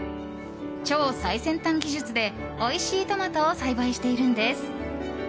超最先端技術でおいしいトマトを栽培しているんです。